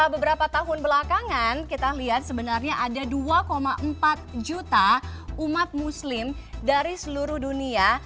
beberapa tahun belakangan kita lihat sebenarnya ada dua empat juta umat muslim dari seluruh dunia